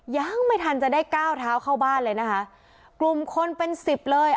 ยังไม่ทันจะได้ก้าวเท้าเข้าบ้านเลยนะคะกลุ่มคนเป็นสิบเลย